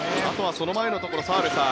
その前のところ澤部さん